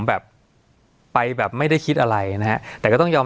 สวัสดีครับทุกผู้ชม